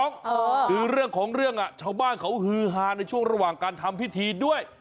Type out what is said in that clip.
คือเรื่องของเรื่องชาวบ้านเขาฮือฮาในช่วงระหว่างการทำพิธีด้วย